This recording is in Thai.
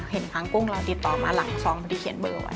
ค้างกุ้งเราติดต่อมาหลังซองบางทีเขียนเบอร์ไว้